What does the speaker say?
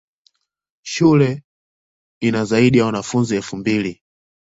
Shule ina zaidi ya wanafunzi elfu mbili.